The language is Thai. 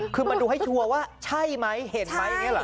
ขึงมาดูให้ชัวร์ว่าใช่มั้ยเห็นมั้ยไงรึเปล่า